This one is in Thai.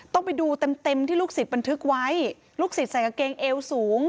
ต้องไปดูเต็มเต็มที่ลูกศิษย์บันทึกไว้ลูกศิษย์ใส่กางเกงเอวสูง